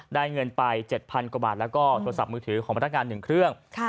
ได้เงินไปเจ็ดพันกว่าบาทแล้วก็โทรศัพท์มือถือของพนักงานหนึ่งเครื่องค่ะ